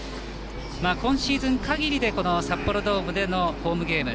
今シーズンかぎりでこの札幌ドームでのホームゲーム